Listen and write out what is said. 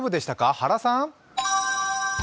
原さん。